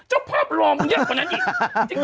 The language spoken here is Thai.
เจ้าภาพรอมึงเยอะกว่านั้นอีก